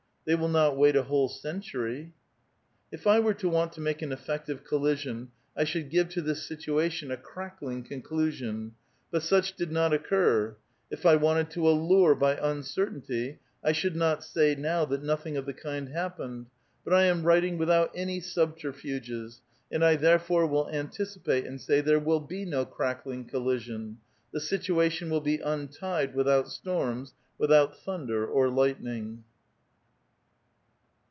They will not wait a whole century. If I w(M e to want to make an ejffective collision, I should give to this situation a crackling conclusion ; but such did not occur. If I wanted to allure by uncertainty, I should not say now that nothing of the kind happened ; but I am writinoj without any subterfufiies, and I therefore will antici pate and say there will be no crackling collision ; the situa tion will be untied without storms, without thunder or lightning.